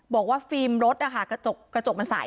บอกว่าฟิล์มรถนะคะกระจกมันใส